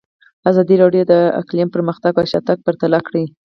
ازادي راډیو د اقلیم پرمختګ او شاتګ پرتله کړی.